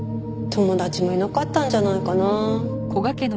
友達もいなかったんじゃないかな。